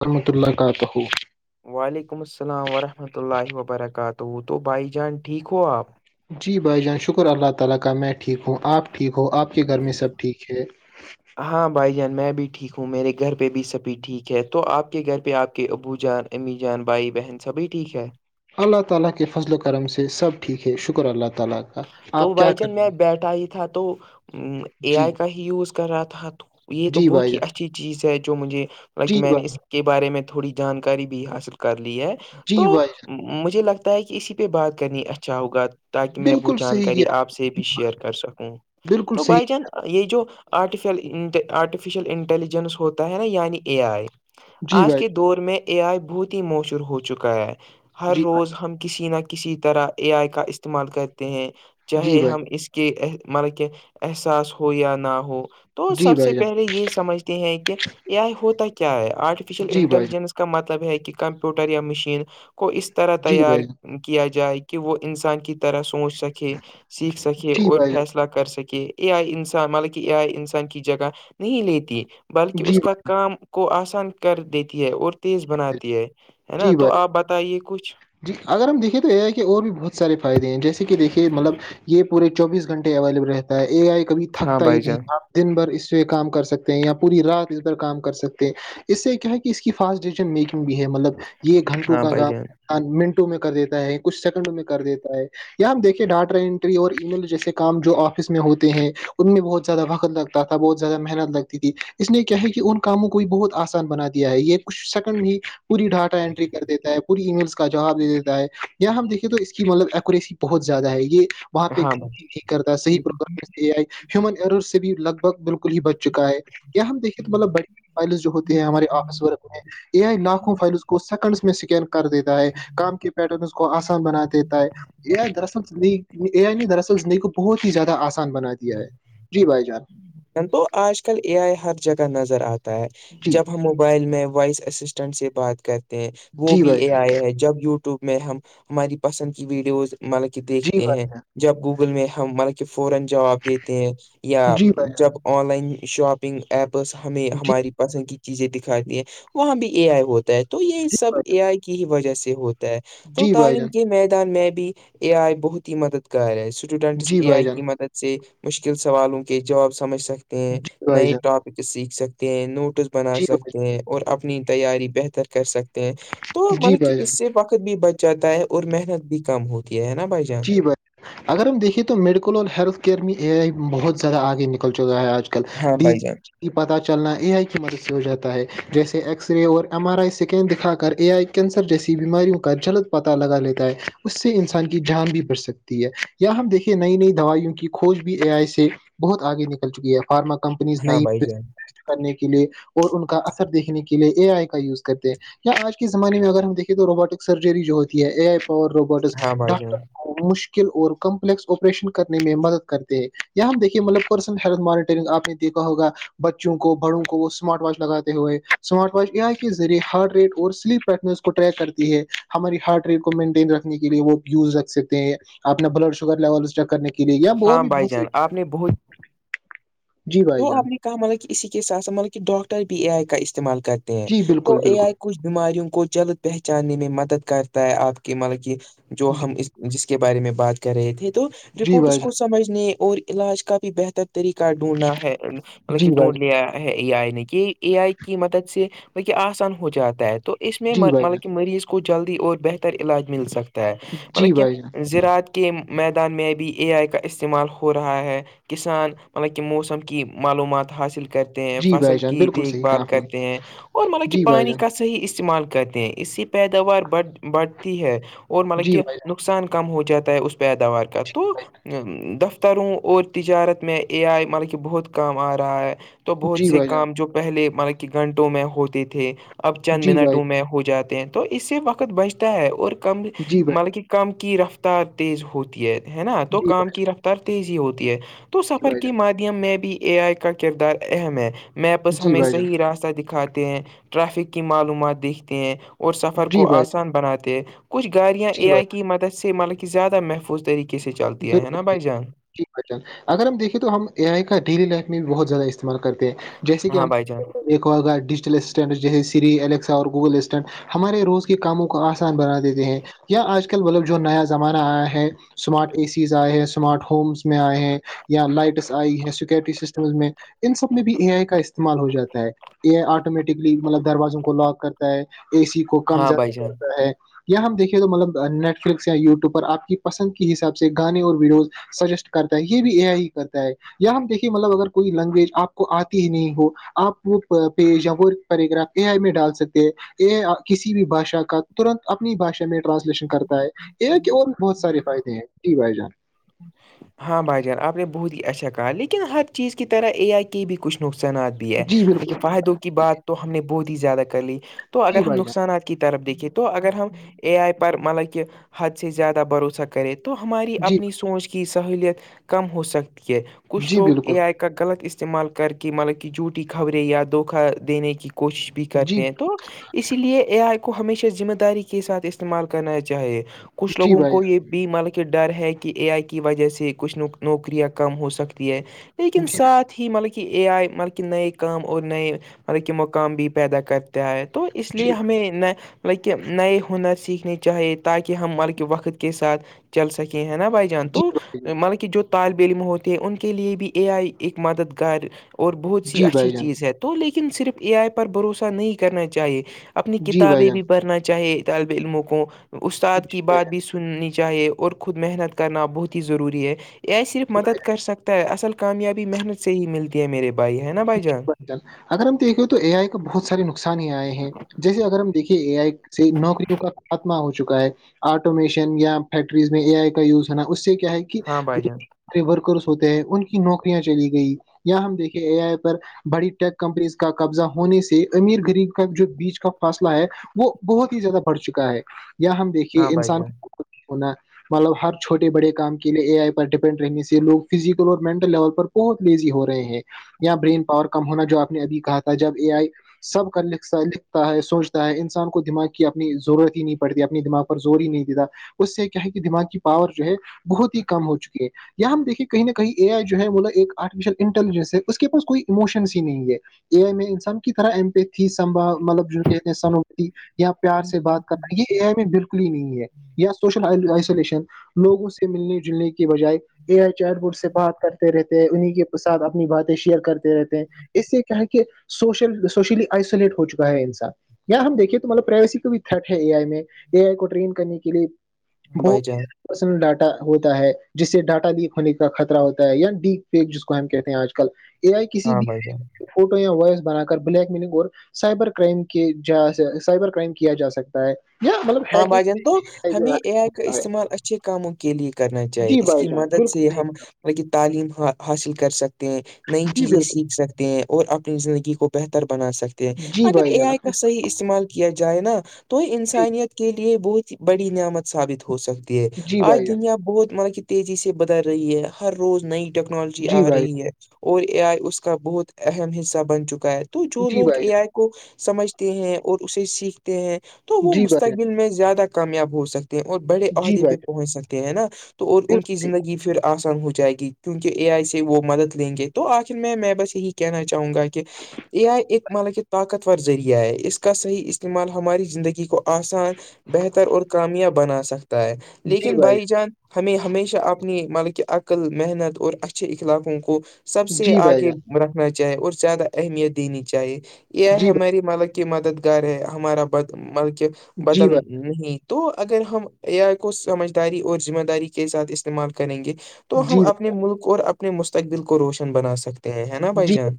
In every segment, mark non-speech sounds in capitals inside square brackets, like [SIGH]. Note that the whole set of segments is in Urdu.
ورحمۃہ اللہ کاات ہو وعلیکم السلام ورحمۃ اللہ وبرکاتہ تو بائی جان ٹھیک ہو آپ جی بھائی جان شکر اللہ تعالی کا میں ٹھیک ہوں اپ ٹھیک ہو اپ کے گھر میں سب ٹھیک ہے [INAUDIBLE] ہاں بھائی جان میں بھی ٹھیک ہوں میرے گھر پہ بھی سبھی ٹھیک ہے تو آپ کے گھر پہ آپ کے ابو جان امی جان بائی بہن سبھی ٹھیک ہے اللہ تعالی کے فضل و کرم سے سب ٹھیک ہے شکر اللہ تعالی کا تو آپ کیا بائی کر چان رہے میں ہیں بیٹھا ہی تھا تو اے جی آئی کا ہی یوز کر رہا تھا تو یہ تو جی بھائی بہت ہی جان اچھی چیز ہے جو مجھے لائک جی میں نے بھائی اس کے بارے میں تھوڑی جانکاری بھی حاصل کر لی ہے تو جی بھائی مجھے لگتا ہے کہ اسی پہ بات کرنی اچھا ہوگا تاکہ جان میں بوچھ بالکل صحیح جکاری ہے آپ سے بھی شیئر کر سکوں بالکل تو بائی صحیح یہ جو آرٹی آرٹیفیشل انٹیلیجنس ہوتا ہے نا یعنی اے آئی جی آج بھائی کے دور میں اے آئی بہت ہی مشور ہو چکا ہے ہر جی بھائی روز ہم کسی نہ کسی طرح اے آئی کا استعمال کرتے ہیں جی چاہے بھائی ہم جان اس کہ ملب کہ احساس ہو یا نہ ہو تو جی سب سے بھائی پہلے یہ سمجھ ہیں کہ ا آئی ہوتا کیا ہے آرٹیفیشیل جان انٹیلیجنس کا مطلب ہے کہ کمپیوٹر یا مشین کو اس طرح جی تیار بھائی جان کیا جائے کہ وہ انسان کی طرح سوچ سکے سیکھ سکے جی اور بھائی فیصلہ کر سکے کہ اے آئی انسان مطلب کہ اے آئی انسان کی جگہ نہیں لیتی جان جی بھائی جان بلکہ جی اس کا کام کو آسان کر دیتی ہے اور تیز بھائی جان بناتی ہے ہے نا جی بھائی تو آپ بتائیے کچھ جی اگر ہم دیکھیں تو یہ آ ہے کہ اور بھی بہت سارے فائدے ہیں جیسے کہ دیکھیے مطلب یہ پورے چوبیس گھنٹے اویلیبل رہتا ہے اے آئی کبھی ہاں تھکتا ہی بھائی نہیں جان تھا دن بھر اس سے کام کر سکتے ہیں یا پوری رات اس بھر کام کر سکتے ہیں اس سے کیا ہے کہ اس کی فاسٹ ڈی میکنگ بھی ہے مطلب یہ گھنٹوں ہاں کا بھائی کا جان ہ منٹوں میں کر دیتا ہے کچھ سیکنڈ میں کر دیتا ہے آپ دیکے ڈاٹا انٹری اور ای میل جیسے کام جو آفس میں ہوتے ہیں ان میں بہت زیادہ وقت لگتا تھا بہت زیادہ محنت لگتی تھی اس نے کیا ہے کہ ان کاموں کو بھی بہت آسان بنا دیا ہے یہ کچھ سک بھی پوری ڈھاٹا انینٹری کر دیتا ہے پوری ای میلس کا جواب دے دیتا ہے یا ہم دیکیں تو اس کی مطلب ایکوریسی بہت زیادہ ہے یہ وہاں پہ ہاں بھائی نہیں کرتا صحی پروگرام ہیومن ائر سے بھی لگ بالکل ہی بچ چکا ہے یا ہم دیکے تو مطلب بڑی بڑی فائلز جو ہوتے ہیں ہمارے آفس ورک میں اے آئی ناکخوں فائلس کو سیکنڈس میں اسکین کر دیتا ہے کام کے پیٹرنس کو آسان بنا دیتا ہے ائیرئی درل ن کو بہت ہی زیادہ آسان بنا دیا ہے جی بھائی جان تو آج کل اے آئی ہر جگہ نظر آتا ہے جی جب ہم موبائل میں وائس اسسٹنٹ سے بات کرتے ہیں وہ جی بھی بھائی اے جان آئی ہے جب یوٹیوب یووب میں ہماری پسند کی ویڈیوز مطلب کہ جی دیکھتے بھائی ہیں جب گوگل میں ہم مطلب کہ فورن جواب دیتے ہیں جان یا جی بھائی جب online shopping apps ہمیں جان جی ہماری پسند کی چیزیں دکھاتی ہیں وہاں بھی اے آئی ہوتا ہے تو یہ جی سب بھائی جان اے آئی کی ہی وجہ سے ہوتا ہے تو جی بھائی تعلیم جان کے میدان میں بھی اے آئی بہت ہی مددگار ہے اسٹوڈینٹس جی اے بھائی آئی جان کی مدد سے مشکل سوالوں کے جواب سمجھ سکتے ہیں جی بھائی نئے جان ٹاپک سیکھ سکتے ہیں نوٹ فوٹز بنا جی بھائی سکتے ہیں اور اپنی تیاری بہتر کر سکتے ہیں تو جان جی مطلب کہ بھائی جان اس سے وقت بھی بچ جاتا ہے اور محنت بھی کم ہوتی ہے نا بھائی جان ب اگر ہم دیکھیے تو میڈیکل اور ہیلتھ کیئر میں اے آئی بہت زیادہ آگے نکل چکا ہے آج کل ہاں ک دی بھائی جان کہ پتہ چلنا اے آئی کی مدد سے ہو جاتا ہے جیسے ایکس رے اور ایم آر آئی اسکین دکھا کر اے آئی کینسر جیسی بیماریوں کا جلد پتاہ لگا لیتا ہے اس سے انسان کے جان بھی بڑھ سکتی ہے یا ہم دیکھیے نئی نئی دوائیوں کی کھوج بھی اے آئی سے بہت آگے نکل چکی ہے فارما کمپنیز ہاں نئی بھائی جان کرنے کے لیے اور ان کا اثر دیکھنے کے لیے اے آئی کا یوز کرتے ہیں آج کے زمانے میں اگر ہم دیکیں تو روبوٹک سرجری جو ہوتی ہے اے آئی پاور روبوٹکس ہاں بھائی ڈاکٹر جان مشکل اور کمپلیکس آپریشن کرنے میں مدد کرتے ہیں یہاں ہم دیکھیے مطلب پرسن ہیلتھ مانیٹرنگ آپ نے کہا ہوگا بچوں کو بڑوں کو وہ اسمارٹ واچ لگاتے ہوئے اسمارٹ واچ ا آئی کے ذریعے ہارڈ ریٹ اور سلپ س کو ٹیک کرتی ہے ہماری ہارٹ ریٹ کو مینٹین رکھنے کے لیے وہ یوز رکھ سکتے ہیں اپنا بلڈ شوگر لیول چیک کرنے کے لیے اور ہاں بھی بھائی بہت جان ساری چیز تو آپ نے کہا مطلب کہ اسی کے ساتھطلب کہ ڈاکٹر بھی اے آئی کا استعمال کرتے ہیں جی تو بالکل ا آئی بالکل کچھ بیماریوں کو جلد پہچانے میں مدد کرتے آپ کی مطلب کہ جو ہم جس کے بارے میں بات کر رہے تھے تو جی رپورٹ اس بھائی جان کو سمجھنے اور علاج کا بھی بہتر طریقہ ڈھونڈنا طلب جی کٹ بھائی مٹ جان لیا ہے ہے اے آئی نے کہ اے آئی کی مدد سے ب کہ آسان ہو جاتا ہے تو اس میں جی بھائی مطلب جان کہ مریض کو جلدی اور بہتر علاج مل سکتا ہے جی مطلب کہ بھائی جان زذراعت کے میدان میں بھی اے آئی کا استعمال ہو رہا ہے کسان مطلب کہ موسم کی معلومات حاصل کر ہیں جی فصل بھائی جان کی بالکل دیکھ صحیح بھال کہا آپ نے کرتے ہیں اور مطلب کہ جی بھائی پانی جان کا صحیح استعمال کرتے ہیں اسی پیداوار ب بڑھتی ہے اور مطلب جی کہ بھائی ن جان نقصان کم ہو جاتا ہے اس پیداوار کا تو دفتروں اور تجارت میں اے آئی مطلب کہ بہت کام آ رہا ہے تو بہت جی سے بھائی جان کام جو پہلے مطلب کہ گھنٹوں میں ہوتے تھے اب چند جی بھائی منٹوں میں ہو جاتے ہیں تو اس سے وقت بچتا ہے اور کم جی بھائی مطلب کہ کم کی رفتار تیز ہوتی ہے ہے نا تو جی کام بھائی کی رفتار تیز ہی ہوتی ہے تو جی سفر بھائی کے جان مادھیم میں بھی اے آئی کا کردار اہم ہے میپس جی ہمیں بھائی جان صحیح راستہ دکھاتے ہیں ٹرافک کی معلومات دیکھتے ہیں اور سفر جی کو بھائی آسان بناتے ہیں کچھ گاڑیاں جی اے بھائی آئی جان کی مدد سے مطلب کہ زیادہ محفوظ طریقے کیسے چلتی ہے ہے نا بائی جان جل اگر ہم دیکیں تو ہم اے آئی کا ڈیلی لائف میں بھی بہت زیادہ استعمال کرتے ہیں جیسے کہ ہاں ہم بھائی جان ایک وہ ڈیجیٹل اسسٹنٹ جیسے سری ایکسا اور گوگل اسٹنٹ ہمارے روز کے کاموں کو آسان بنا دیتے ہیں یا آج کل مطلب جو نیا زمانہ آیا ہے سمارٹ اے سیز آئے ہیں سمارٹ ہومس میں آئے ہیں یا لائٹس آئی ہیں سیکورٹی سسٹمز میں ان سب میں بھی اے آئی کا استعمال ہو جاتا ہے یہ آٹومیٹکلی مطلب دروازوں کو لاک کرتا ہے اے سی کم ہاں زیادہ بھائی جان کرتا ہے یا ہم دیکھے تو مطلب نیٹ فلکس یا یو وب پر آپ کی پسند کی حساب سے سے گانے اور ویڈیوز سجیسٹ کرتا ہے یہ بھی ا ہی کرتا ہے یا ہم دیکھیے مطلب اگر کوئی لینگویج آپ کو آتی ہی نہیں ہو آپ وہ کاپی یا وہ پیراگراف اے آئی میں ڈال سکتے ہیں یہ کسی بھی باشا کا ترنت اپنی بھشا میں ٹرانسلیشن کرتا ہے اے آئی کے اور بھی بہت سارے فائد ہیں جی بھائی جان [INAUDIBLE] ہاں بھائی جان آپ نے بہت ہی اچھا کہا لیکن ہر چیز کی طرح اے آئی کے بھی کچھ نقصانات ہے جی بالکل کیکہ فائدوں کی بات تو ہم نے بہت ہی زیادہ کر لی تو اگر جی ہم بھائی جان نقصانات کے طرف دیکھیے تو اگر ہم اے آئی پر مطلب کہ حد سے زیادہ بھروسہ کر کرے تو ہماری جی اپنی سوچ کی سہلیت کم ہو سکتی ہے کچھ جی لوگ بالکل اے آئی کے کا غلط استعمال کر کے مطلب کہ جھوٹی خبریں یا دھوکہ دینے کی کوشش بھی کرتے جی ہیں تو اس لیے اے آئی کو ہمیشہ ذمہ داری کے ساتھ استعمال کرنا چاہیے کچھ جی لوگوں بھائی کو یہ بھی مل کے ڈر ہے کہ اے آئی کی وجہ سے کچھ ن نوکریاں کم ہو سکتی ہیں لیکن جان جی ساتھ بہت ہی مطلب کہ اے آئے مطلب کہ نئے کام اور نئے مطلب مقام بھی پیدا کرتا ہے تو اس لیے جی ہمیں نہ لکہ نئے ہنر سیکھنے چاہیے تاکہ ہم بلکہ وقت کے ساتھ چل سکیں ہیں نا بھائی جان تو جی بھائی جان مطلب کہ جو طالب علم ہوتے ہیں ان کے لیے بھی اے آئی ایک مددگار اور بہت سی جی اچھی بھائی جان چیز ہے تو لیکن صرف اے آئی پر بھروسہ نہیں کرنا چاہیے اپنی جی بھائی کتابیں جان بھی پڑھنا چاہی طالب علموں کو استاد کی جی بات بھی نی چاہیے اور خود محنت کرنا بہت ہی ضروری ہے اے آئی صرف مدد کر سکتا ہے اصل کامیابی محنت سے ہی ملتی ہے میرے بھائی ہے نا بھائی جان ل اگر ہم دیکھیں تو اے آئی کو بہت سارے نقصان ہی آئے ہیں جیسے اگر ہم دیکھیے اے آئی سے نوکریوں کا خاتمہ ہو چکا ہے آٹومیشن یا فیکٹریز میں اے آئی کا یوز ہونا اس سے کیا ہے ہاں بھائی جان کہ ورکرس ہوتے ہیں ان کی نوکریاں چلی گئی یا ہم دیکھے اے آئی بڑی ٹیک کمپنیز کا قبضہ ہونے سے امیر غریب کا جو بیچ کا فاصلہ ہے وہ بہت ہی زیادہ بڑھ چکا ہے یا ہم دیکھیے ہاں بھائی انسان جان کو ہونا مطلب ہر چھوٹے بڑے کام کے لیے اے آئی پر ڈپینڈ رہنے سے لوگ فزیکل اور مینٹل لیول پر بہت لیزی ہو رہے ہیں یا برین پاور کم ہونا جو آپ نے ابھی کہا تھا جب اے آئی سب کا لکھتا لکھتا ہے سوچتا ہے انسان کو دماغ کی اپنی ضرورت ہی نہیں پڑھ رہی اپنی دماغ کو زور ہی نہیں دتاا اس سے کیا ہے کہ دماغ کی پاور جو ہے بہت ہی کم ہو چکی ہے یا ہم دیکے کہیں نہ کہیں اے آئی جو ہے وہ نا ایک آرٹیفیشیل انٹیلیجنس ہے اس کے پاس کوئی ایموشنس ہی نہیں ہے اے آئی میں انسان کی طرح امپیھی سمبھا مطلب کہتے ہیں سنوبتی یا پیار سے بات کرنا یہ ا بالکل نہیں ہے یا سوشل آئسولیشن لوگوں سے ملنے جلنے کے بجائے اے آئی چار بٹ سے بات کرتے رہتے ہیں انہیں کے ساتھ اپنی بات شیئر کرتے رہتے ہیں اس سے کیا ہے کہ سوشل سوشلی آئسولیٹ ہو چکا ہے انسان یہ ہم دیکے تم مطلب پرائیویسی کا بھی تھرٹ ہے اے آئی میں اے آئی کو ٹریم کرنے کے لیے ہاں وہ بھائی جان پرسنل ڈاٹا ہوتا ہے جس سے ڈاٹا لیک ہونے کا خطر ہوتا ہے یا ڈیک فیک جس کو ہم کہتے ہیں آج کل اے آئی کسی ہاں بھی بھائی جان فوٹو یا وائس بنا کر بلیک میننگ اور سائبر کرائم کی جا سائبر کرائم کیا جا سکتا ہے یا مطلب ہاں ہیکنگ بھائی جان تو ہمیں اے آئی کا استعمال اچھے کاموں کے لیے کرنا چاہیے جی اس بھائی کی جان مدد بالکل سے صحیح ہم کہا۔ کی تعلیم حاصل کر سکتے ہیں نئی جی چیزیں بالکل سیکھ سکتے اور اپنی زندگی کو بہتر بنا سکتے ہیں جی اگر بھائی اے جان آئی کا صحیح استعمال کیا جائے نا تو جی انسانیت کے لیے بہت ہی بڑی نعمت ثابت ہو سکتی ہے جی آج بھائی جان دنیا بہت مطلب کہ تیزی سے بدل رہی ہے ہر روز نئی ٹیکنالوجی جی آ بھائی رہی ہے اور اے آئی اس کا بہت اہم حصہ بن چکا ہے تو جان جو جی لوگ بھائی اے جان آئی کو سمجھتے ہیں اور اسے سیکھتے ہیں تو تو وہ جی بھائی مستقبل میں زیادہ کامیاب ہو سکتے ہیں اور بڑے جان جی عہدے بھائی پہ جان پہنچ سکتے ہیں نا تو اور ان بالکل کی ٹھیک۔ زندگی پھر آسان ہو جائے گی کیونکہ اے آئی سے وہ مدد لیں گے تو آخر میں میں بس یہی کہنا چاہوں گا کہ یہ آئی ایک مطلب کہ طاقت ذریعہ ہے اس کا صحیح استعمال ہماری زندگی کو آسان بہتر اور کامیاب بنا سکتا ہے لیکن بھائی جان ہمیں ہمیشہ اپنی مطب کہ عقل محنت اور اچھے اخلاقوں کو سب جان سے جی بھائی آگے جان رکھنا چاہیے اور زیادہ اہمیت دینی چاہیے یہ جی ہماری مالک کی مددگار ہے ہمارا مطلک بھائی جی بدل بھائی نہیں تو اگر ہم آئی کو سمجھداری اور ذمہ داری کے ساتھ استعمال کریں گے تو ہم جی اپنے ملک اور اپنے مستقبل کو روشن بنا سکتے ہیں ہے نا بھائی جان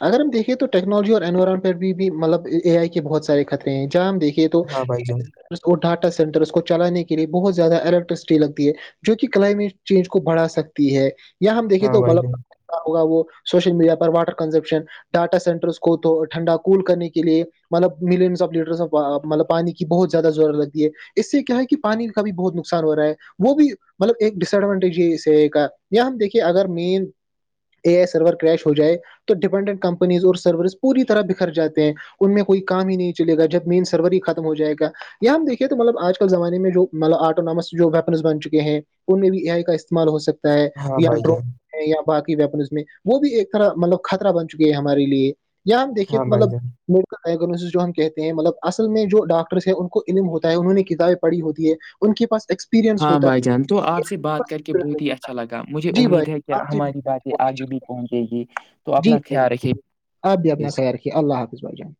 اگر ہم دیکھے تو ٹیکنالوجی اور انوائرمنٹ بھی مطلب اے آئی کے بہت سارے خطرے ہیں جہ ہم دیکے تو ہاں بھائی جان وہ ڈاٹا سینٹر اس کو چلانے کے لیے بہت زیادہ الیکٹرسٹی لگتی ہے جو کہ کلائمیٹ چینج کو بڑھا سکتی ہے یا ہم دیکھے ہاں تو بھائی مب جان ہوگا وہ سوشل میڈیا پر واٹر کنزپشن ڈاٹا سینٹرس کو تو ٹھنڈا کول کرنے کے لیے مطلب ملینس آف لیٹرس آف مطل پانی کی بہت زیادہ ضرورت لگتی ہے اس سے کیا ہے کہ پانی کا بھی بہت نقصان ہو رہا ہے وہ بھی مطلب ایک ڈس ایڈوانٹیج ہے کا یا ہم دیکھیے اگر مین اے آئی سرور کریش ہو جائے تو ڈیپینڈنٹ کمپنیز اور سرورز پوری طرح بکھر جاتے ہیں ان میں کوئی کام ہی نہیں چلے گا جب مین سرور ہی ختم ہو جائے گا یہاں ہم دیکھیے تو مطلب آج کل زمانے میں جو مطلب آٹونامس جو ویپنس بن چکے ہیں ان میں بھی یہئی کا استعمال ہو سکتا ہے ہاں یا بھائی ڈرون جان ہے یا باقی ویپن اس میں وہ بھی ایک طرح مطلب خطرہ بن چکی ہے ہمارے لیے یا ہم دیکھیے ہاں بھائی مطلب جان جو ہم کہتے ہیں مطلب اصل میں جو ڈاکٹرس ہیں ان کو علم ہوتا ہے انہوں نے کتابیں پڑھی ہوتی ہے ان کے پاس ایکس ہاں بھائی جان تو آپ سے بات کر کے بہت ہی اچھا لگا مجھے جی بھائی امید ہے کہ آپ سے- ہماری باتیں آگے بھی کونچی جی بھائی جان آپ بھی اپنا خیال رکھیے اللہ حافظ بھائی جان